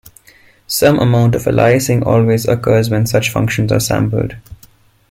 Some amount of aliasing always occurs when such functions are sampled.